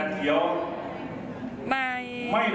ตอนบาย